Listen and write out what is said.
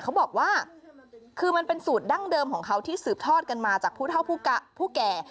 เขาบอกว่าคือมันเป็นสูตรดั้งเดิมของเขาที่สืบทอดกันมาจากผู้เท่าผู้แก่